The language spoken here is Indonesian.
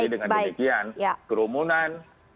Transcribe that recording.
jadi dengan demikian kerumunan kebanggaan